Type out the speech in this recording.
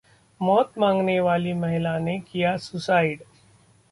मौत मांगने वाली महिला ने किया सुसाइड